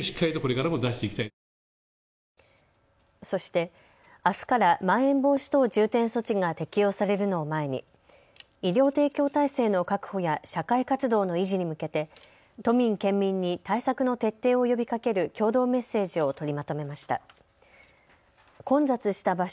そして、あすからまん延防止等重点措置が適用されるのを前に医療提供体制の確保や社会活動の維持に向けて都民・県民に対策の徹底を呼びかける共同メッセージを取りまとめました。